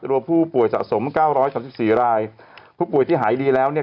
รวมผู้ป่วยสะสมเก้าร้อยสามสิบสี่รายผู้ป่วยที่หายดีแล้วเนี่ย